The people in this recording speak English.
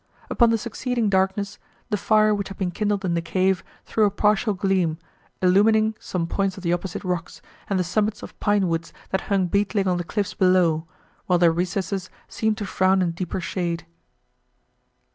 Upon the succeeding darkness, the fire, which had been kindled in the cave, threw a partial gleam, illumining some points of the opposite rocks, and the summits of pine woods, that hung beetling on the cliffs below, while their recesses seemed to frown in deeper shade.